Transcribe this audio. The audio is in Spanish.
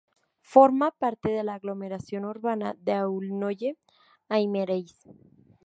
Forma parte de la aglomeración urbana de Aulnoye-Aymeries